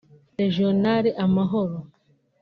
Le Journal Amahoro